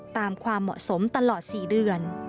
ความเหมาะสมตลอด๔เดือน